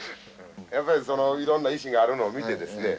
やっぱりそのいろんな石があるのを見てですね